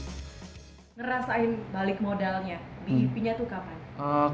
ngerasain balik modalnya bp nya itu kapan